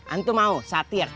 antum mau satir